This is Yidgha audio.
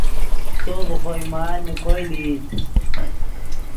تو ڤے خوئے مال نے کوئے لئیت